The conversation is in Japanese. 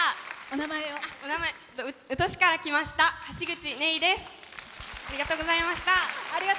宇土市から来ましたはしぐちです。